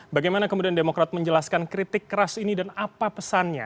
bagaimana kemudian demokrat menjelaskan kritik keras ini dan apa pesannya